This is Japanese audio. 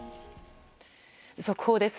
速報です。